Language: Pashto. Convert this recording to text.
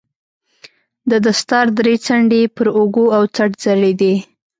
د دستار درې څنډې يې پر اوږو او څټ ځړېدې.